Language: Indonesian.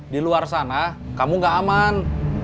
di luar sana kamu gak aman